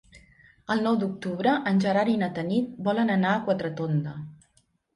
El nou d'octubre en Gerard i na Tanit volen anar a Quatretonda.